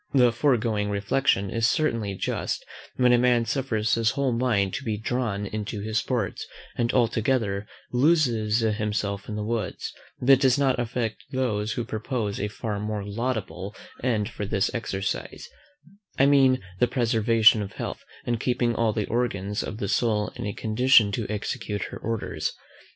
The foregoing reflection is certainly just, when a man suffers his whole mind to be drawn into his sports, and altogether loses himself in the woods; but does not affect those who propose a far more laudable end for this exercise, I mean, the preservation of health, and keeping all the organs of the soul in a condition to execute her orders.